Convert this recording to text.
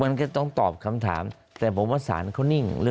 มันก็ต้องตอบคำถามแต่ผมว่าสารเขานิ่ง